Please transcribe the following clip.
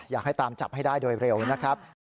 อยากให้ตามจับให้ได้โดยเร็วนะครับ